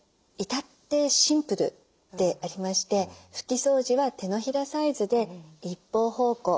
至ってシンプルでありまして拭き掃除は手のひらサイズで一方方向。